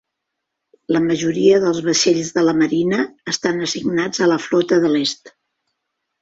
La majoria dels vaixells de la marina estan assignats a la Flota de l'Est.